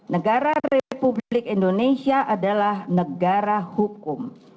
negara republik indonesia adalah negara hukum